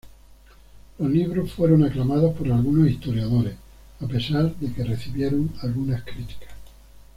Los libros fueron aclamados por algunos historiadores, a pesar de que recibieron algunas críticas.